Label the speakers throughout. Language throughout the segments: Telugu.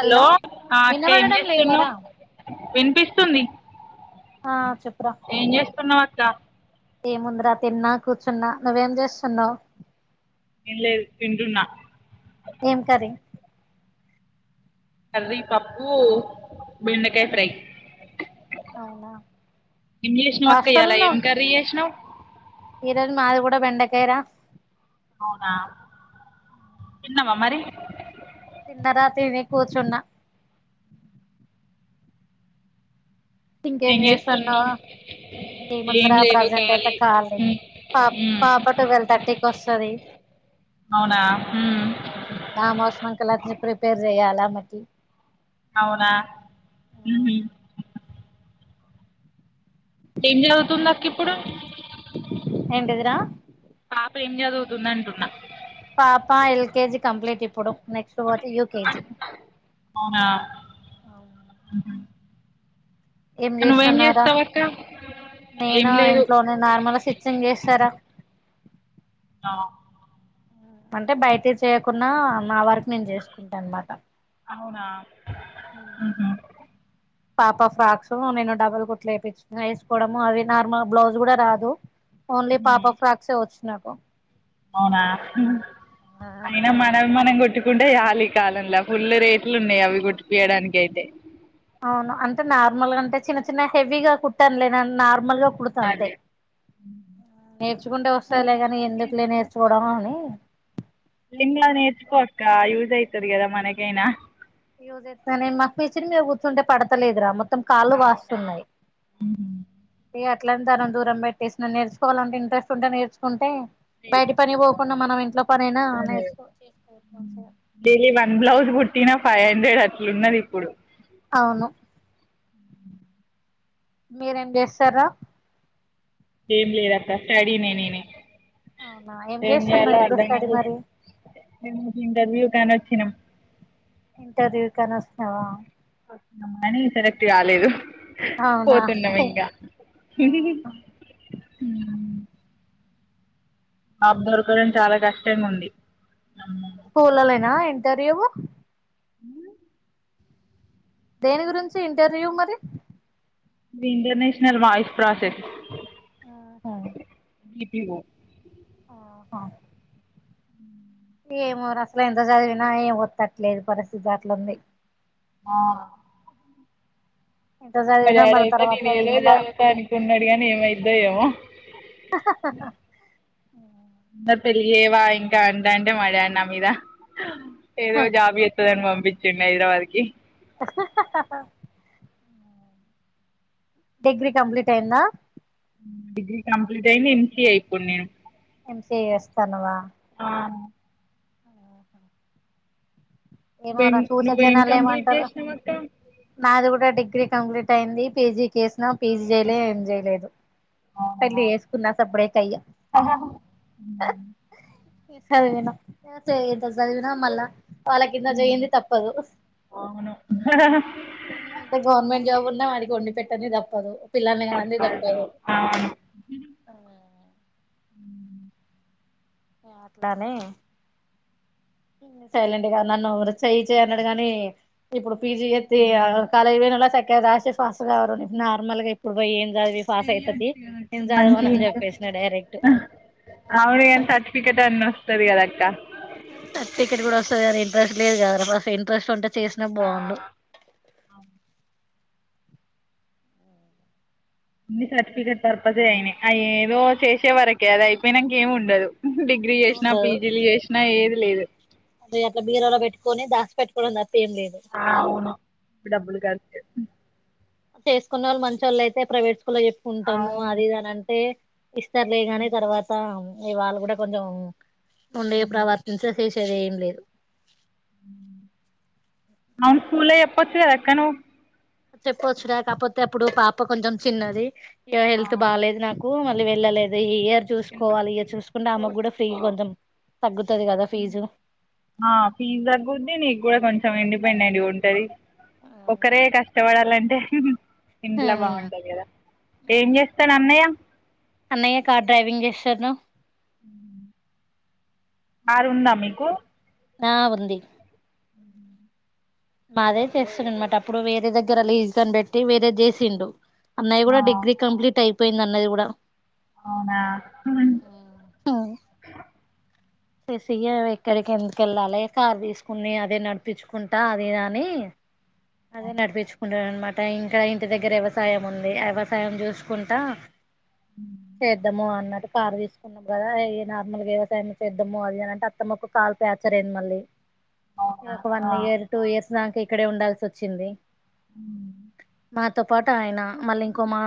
Speaker 1: హలో ఆ అక్కే ఏం
Speaker 2: వినబడడం లేదారా
Speaker 1: చేస్తునావ్ వినిపిస్తుంది
Speaker 2: ఆ చెప్పురా
Speaker 1: తున్నావ్క్క
Speaker 2: ఏ ముందరా తిన్నా కూర్చున్నా నువ్వేం చేస్తున్నావ్
Speaker 1: ఏం లేదు తింటున్న
Speaker 2: ఏం కర్రీ
Speaker 1: కర్రీ పప్పు బెండకాయ ఫ్రై
Speaker 2: అవునా
Speaker 1: ఏం జెషీనావ్ అక్క ఇయ్యాల ఏం కర్రీ చేసినావ్
Speaker 2: ఇరరు మాది కూడా బెండకాయరా
Speaker 1: అవునా తిన్నావా మరి
Speaker 2: తిన్నరా తిని కూర్చున్న థింక్కేం
Speaker 1: ఏం చేస్తున్నావు
Speaker 2: చేస్తునావ్
Speaker 1: ఏం
Speaker 2: ఏముందరా
Speaker 1: లేదు
Speaker 2: ప్రజెంట్ అయితే
Speaker 1: ఖాళీ
Speaker 2: కావాలి
Speaker 1: మ్మ్
Speaker 2: పాప్
Speaker 1: మ్మ్
Speaker 2: పాప ట్వెల్వ్ థర్టీకి వస్తుంది
Speaker 1: అవునా మ్మ్
Speaker 2: ఆమె వస్తునాక లాంజ్ ప్రిపేర్ చెయ్యాలా మటి
Speaker 1: అవునా ఉహు ఏం చదువుతుందక్క ఇప్పుడు
Speaker 2: ఏంటిదిరా
Speaker 1: ఇప్ ఏం జదువుతుందంటున్న
Speaker 2: పాప ఎల్కేజీ కంప్లీట్ ఇప్పుడు నెక్స్ట్ పోతే యూకేజీ
Speaker 1: అవునా ఉహు.
Speaker 2: ఏం
Speaker 1: నువ్వేం
Speaker 2: చేస్తున్నావ్ రా
Speaker 1: చేస్తావు అక్క ఏం
Speaker 2: నేను
Speaker 1: లేదు
Speaker 2: ఇంట్లోనే నార్మల్ సిచ్ంగ్ చేస్తారా
Speaker 1: ఆహా
Speaker 2: అంటే బయటి చేయకుంన్నా నా వరకు నేను చేసుకుంటా అనమాట
Speaker 1: అవునా ఉహు
Speaker 2: పాప ఫ్రాక్స్ నేను డబుల్ కుట్లు వయి వేసుకోవడము అవి నార్మల్ బ్లౌజ్ కూడా రాదు ఓన్లీ
Speaker 1: ఉమ్.
Speaker 2: పాపకు ఫ్రాక్సే వచ్చునకు
Speaker 1: అవునా ఉమ్ అయినా మనవి మనం కొట్టు కుంటాయిచాలీ కాలంలో ఫుల్ రేట్లు ఉన్నాయి అవి గుట్టిపియడానికి అయితే
Speaker 2: అవును అంటే నార్మల్ గా అంటే చిన్న చిన్న హెవీగా కుట్టానులే నార్మల్ గా కుడతా అంతే
Speaker 1: అది
Speaker 2: నేర్చుకుంటే వస్తయిలే కాని ఎందుకులే నేర్చుకోవడం అని
Speaker 1: నిమ్లగ నేర్చుకో అక్క యూస్ అయితది గదా మనకైనా
Speaker 2: యోజస్తానే మాకు పెసరు మీరు కూర్చుంటే పడతలేదు రా మోత్ మొత్తం కాళ్ళు
Speaker 1: అవునా
Speaker 2: వాస్తున్నాయి ఇగ ఎట్లాంత తన దూరం పెట్టేసిన నేర్చుకోలంటే ఇంటెస్ట్ ఉంటే నర్చుకుంటే బయట పని
Speaker 1: నేర్చుకుంటావా?
Speaker 2: పోకుండా మనం ఇంట్లో పనైనా నేర్చకోచ్చ
Speaker 1: ఇ వన్ బ్లౌజ్ పుట్టిన ఫైవ్ హండ్రెడ్ అట్లున్నది ఇప్పుడు
Speaker 2: అవును మీరేం చేస్తారా
Speaker 1: ఏం లేదక్క స్టడీ నే నేనే
Speaker 2: అవునా
Speaker 1: ఏం జేయాలో
Speaker 2: చేస్తున్నావు ఇప్పుడు
Speaker 1: అర్ధంగా
Speaker 2: స్టడీ మరి
Speaker 1: [unintelligible] రివ్యూ కని వచ్చిన
Speaker 2: ఇంటర్వ్యూ కని వస్తున్నావా
Speaker 1: కానీ సెలెక్ట్ కాలేదు
Speaker 2: అవునా
Speaker 1: పోతున్నాం ఇంకా
Speaker 2: ఆహా
Speaker 1: ఆప్ దొరకడం చాలా కష్టంగా ఉంది
Speaker 2: స్కూల్లోనేనా ఇంటర్వ్యూ
Speaker 1: హ్మ్
Speaker 2: దేని గురించి ఇంటర్వ్యూ మరి
Speaker 1: ఇంటర్నేషనల్ వాయిస్ ప్రాసెస్
Speaker 2: ఆహా
Speaker 1: ఈమో
Speaker 2: హా ఏమోరా అసలు ఎంత చదివినా ఏం వత్తట్లేదు పరిస్థితి అట్లుంది
Speaker 1: ఆ
Speaker 2: ఎంత
Speaker 1: మా
Speaker 2: చదివినా
Speaker 1: డాడ
Speaker 2: మళ్ళ
Speaker 1: అయితే
Speaker 2: తర్వాత
Speaker 1: నేను ఏదో
Speaker 2: ఇంట్ల
Speaker 1: చదువుతా అనుకున్నాడు గాని ఏమైద్దోయేమో నాకు పెళ్ళి చేయవా ఇంకా అంటాంటే మా డాడి నా మీద ఏదో జాబ్ చేత్తదని పంపించుండు హైదరాబాద్ కి
Speaker 2: డిగ్రీ కంప్లీట్ అయిందా
Speaker 1: డిగ్రీ కంప్లీట్ అయింది ఎంసీఏ ఇప్పుడు నేను
Speaker 2: ఎంసిఎ చేస్తున్నావా
Speaker 1: ఆ నువ్వేం
Speaker 2: ఏమోరా చూసే
Speaker 1: నువ్వేం
Speaker 2: జనాలు
Speaker 1: కంప్లీట్
Speaker 2: ఏమంటరో
Speaker 1: చేసినావు అక్క
Speaker 2: నాది కూడా డిగ్రీ కంప్లీట్ అయింది పీజీ చేసిన పీజీ చేయలే ఏం చేయలేదు పెళ్ళి చేసుకున్నా సర్ప్రైజ్అయ్యా
Speaker 1: హ్మ్
Speaker 2: ఏం సదివినవ్ [unintelligible] సదివిన మళ్ళ వాళ్ళ కింద చెయంది తప్పదు
Speaker 1: అవును
Speaker 2: ఎంత గవర్నమెంట్ జాబ్ ఉన్నా వాడికి వండి పెట్ట తప్పదు పిల్లానిగా కనడం తప్పదు
Speaker 1: అవును
Speaker 2: అట్లానే సైలెంట్ గా నన్ను చెయి చే అన్నాడు గాని ఇప్పుడు పిజీ చేస్తే ఇగ కాలేజ్ పోయినోలే శాఖగా రాసి [unintelligible] [unintelligible] నార్మల్ గా ఇప్పుడు పోయి ఏం చదివి ఫాస్ అవుతది
Speaker 1: చేయొచ్చు కదా
Speaker 2: నేను
Speaker 1: మంచి
Speaker 2: చదవను అని చెప్పేసిన డైరెక్ట్
Speaker 1: అవును గని సర్టిఫికేట్ అన్న వస్తది కదా
Speaker 2: సర్టిఫికెట్ కూడా వస్తుంది కదా ఇంట్రెస్ట్ లేదు కదా ఇంట్రెస్ట్ ఉంటే చేసినా
Speaker 1: ఆ
Speaker 2: బాగుండు
Speaker 1: సర్టిఫికెట్ పర్పస అయినా ఏదో చేసే వరకే ఆది అయిపోయినాకా ఏం ఉండదు డిగ్రీ చేసినా పీజీలు చేసినా ఏది లేదు
Speaker 2: అదే అలా బీరువాలో పెట్టుకని దాస్ పెట్టుకో
Speaker 1: ఆ అవును [unintelligible]
Speaker 2: చేసుకున్న వాళ్ళు మంచి వాళ్ళు అయితే ప్రైవేట్ స్కూల్లో చెప్పుకుంటాము
Speaker 1: అవును
Speaker 2: అది ఇది అంటే ఇస్తారులే గాని తర్వాత ఇగా వాళ్ళు కూడా కొంచెం ఉండే ప్రవర్తించే చేసేది ఏం లేదు
Speaker 1: అవును స్కూల్ లో చెప్పచ్చు కదా అక్క నువ్వు
Speaker 2: చెప్పొచ్చురా కాకపోతే అప్పుడు పాప కొంచెం చిన్నది ఇగా హెల్త్ బాలేదు నాకు మళ్ళీ వెళ్ళలేదు ఈ ఇయర్ చూసుకోవాలి ఇయర్ చూసుకుంటే అమ్మ కూడా ఫ్రీ
Speaker 1: ఆ
Speaker 2: కొంచెం తగ్గుతది కదా ఫీజు
Speaker 1: ఆ ఫీజ్ తగ్గుద్ది నీకు కూడా కొంచెం ఇండిపెండెంట్ ఉంటది
Speaker 2: అవును
Speaker 1: ఒకరే కష్టపడాలంటే ఇంట్లో బాగుండది
Speaker 2: అవును
Speaker 1: కదా ఏం చేస్తాడు అన్నయ్య
Speaker 2: అన్నయ్య కార్ డ్రైవింగ్ చేస్తాడు రా
Speaker 1: కారు ఉందా మీకు
Speaker 2: ఆ ఉంది మాదే చేస్తునడు అనమాట అప్పుడు వేరే దగ్గర లీజ్గాని పెట్టి వేరే చేసిండు అన్నయ్య
Speaker 1: ఆ,
Speaker 2: కూడా డిగ్రీ కంప్లీట్ అయిపోయింది అన్నది కూడా
Speaker 1: అవునా
Speaker 2: చేసి ఎక్కడికి ఎందుక వెళ్ళాలి కారు తీసుకుని అదే నడిపించుకుంటా అదిదని అదే నడిపించుకుంటడు అనమాట ఇంకా ఇంటి దగ్గర వ్యవసాయం ఉంది వ్యవసాయం చూసుకుంటా చేద్దాము అన్నట్టు కారు తీసుకున్నాము కదా ఏ నార్మల్గా వ్యవసాయం చేద్దాముో అది అని అంటే అత్తమ్మక్క కాలు ప్యాచర్య్యంది మళ్ళీ ఇది
Speaker 1: అవునా
Speaker 2: ఒక వన్
Speaker 1: ఆ,
Speaker 2: ఇయర్ టూ ఇయర్స్ దాకా ఇక్కడే ఉండాల్సి వచ్చింది
Speaker 1: అ
Speaker 2: మాతో పాటు ఆయన మళ్ళీ ఇంకో మా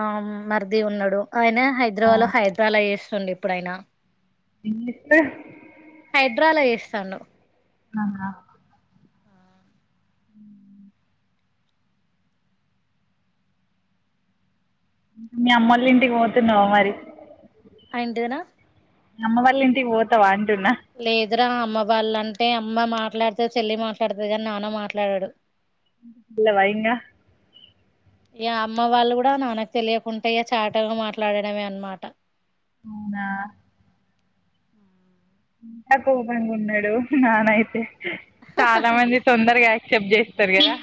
Speaker 2: మరిది ఉన్నాడు ఆయన
Speaker 1: ఆ.
Speaker 2: హైదరాబాద్ లో హైదరాబాలో చేస్తుండు ఇప్పుడైనా
Speaker 1: ఏం జేస్తా
Speaker 2: హైదరాబాలో చేస్తాండు
Speaker 1: ఆహా ఉ మీ అమ్మల్ ఇంటికి పోతున్నావ మరి
Speaker 2: ఏంటిదిరా
Speaker 1: అమ్మ వాళ్ళ ఇంటికి పోతా వాంటన్నా
Speaker 2: పోద్దర అమ్మ వాళ్ళంటే అమ్మ మాట్లాడుతది చెల్లి మాట్లాడుతది కాని నాన్న మాట్లాడాడు
Speaker 1: తిన్నవ ఇంగ
Speaker 2: ఇగ అమ్మ వాళ్ళు కూడా నాన్నకు తెలియకుంటేయ చాటాగా మాట్లాడడమే అన్నమాట
Speaker 1: అవున ఇంకా కోపంగా ఉన్నాడు నానయితే చాలా మంది తొందరగా యాక్సెప్ట్ చేసి స్తారు కదా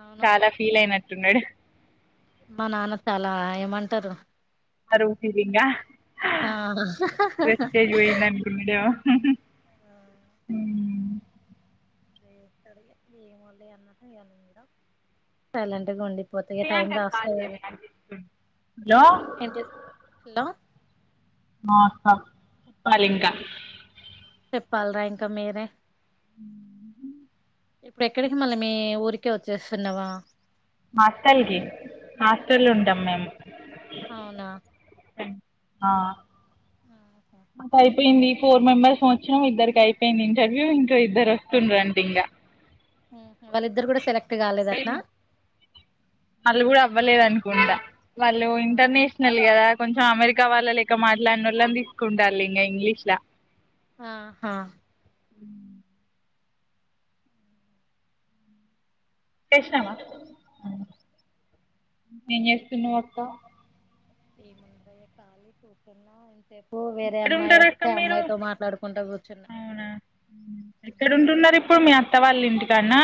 Speaker 2: అవును
Speaker 1: చాలా ఫీల్ అయినట్టున్నాడు.
Speaker 2: మా నాన్న చాలా ఏమంటారు
Speaker 1: పరువు ఊటిదింగా
Speaker 2: ఆ
Speaker 1: ప్రెస్టేజ్ పోయిందనుకుంటా హూ ఉం
Speaker 2: సైలెంట్గా ఉండి పోతేక టైమ్ రాస్ంట లేదు
Speaker 1: హలో
Speaker 2: హలో
Speaker 1: ఆ అక్క చెప్పాలి ఇంకా
Speaker 2: చెప్పాలరా ఇంకా మీరే ఇప్పుడు ఎక్కడికి మళ్ళీ మీ ఊరికే వచ్చేస్తున్నావా
Speaker 1: హాస్టల్ కి హాస్టల్ లో ఉంటాం మేము
Speaker 2: అవునా
Speaker 1: ఆ పోయింది ఫోర్ మెంబర్ కి వచ్చినం ఇద్దరికి అయిపోయింది ఇంటర్వ్యూ ఇంకా ఇద్దరు వస్తుండ్ర అంటే ఇంకా
Speaker 2: వాళ్ళిద్దరు కూడా సెలెక్ట్ కాలేదంటనా
Speaker 1: వాళ్ళు కూడా అవ్వలేదు అనుకుంటా వాళ్ళు ఇంటర్నేషనల్ కదా కొంచెం అమెరికా వాళ్ళ లేక మాట్లాడిన వాళ్ళను తీసుకుంటళ్ళు ఇంకా ఇంగ్లీషులో
Speaker 2: ఆ హా
Speaker 1: చేసినావా ఏం చేస్తున్నావు అక్క
Speaker 2: ఇపు వేరే
Speaker 1: ఎక్కడ
Speaker 2: అమ్మాయి
Speaker 1: ఉంటారు అక్క
Speaker 2: వస్తే ఆ
Speaker 1: మీరు
Speaker 2: అమ్మాయితో మాట్లాడుకుంటా కూర్చుంటా
Speaker 1: ఎక్కడుంటున్నారు ఇప్పుడు మీ అత్త వాళ్ళ ఇంటికాడనా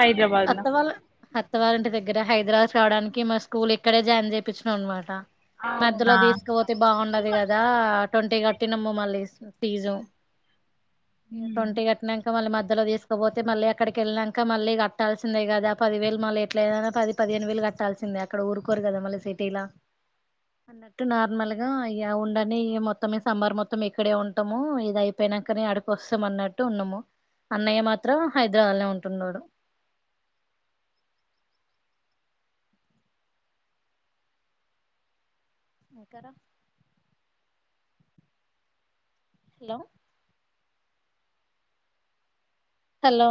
Speaker 1: హైదరాబాద్లో
Speaker 2: అత్త వాళ్ళ అత్తవాళ్లింటి దగ్గర హైదరాబాద్ రావడానికి మా స్కూల్ ఇక్కడే జాయిన్ చేయించాము అన్నమాట మధ్యలో
Speaker 1: అవునా
Speaker 2: తీసుకుపోతే బాగుండదు కదా ట్వంటీ గ ట్టినము మళ్ళీ ఫీజు
Speaker 1: ఉమ్.
Speaker 2: ట్వంటీ కట్టినంక మళ్ళ మ మధ్యలో తీసుకపోతే మళ్ళీ అక్కడికి వెళ్ళినంక మళ్ళీ కట్టాల్సిందే కదా పదివేలు మళ్ళీ ఎట్లా అయినా పది పదిహేను వేలు కట్టాల్సిందే అక్కడ ఊరుకోరు కదా మళ్ళీ సిటీలా అన్నట్టు నార్మల్ గా ఇగా ఉండనీ మొత్తము సమ్మర్ మొత్తం ఇక్కడే ఉంటాము ఇది అయిపోయి నాకనే అడికి వస్తాం అన్నట్టు ఉన్నాము అన్నయ్య మాత్రం హైదరాబాద్ లో ఉంటున్నాడు ఇక్కడ హలో హలో